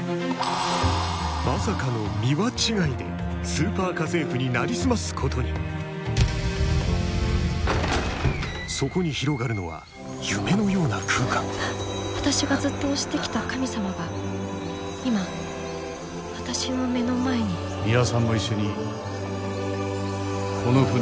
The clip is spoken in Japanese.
まさかの「ミワ」違いで「スーパー家政婦」になりすますことにそこに広がるのは夢のような空間私がずっと推してきた神様が今私の目の前にミワさんも一緒にこの船に乗りませんか？